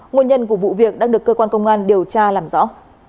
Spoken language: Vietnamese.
nguồn nhân của vụ việc đang được cơ quan công an điều tra làm rõ